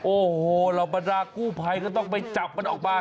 โอ้โหเหล่าบรรดากู้ภัยก็ต้องไปจับมันออกมา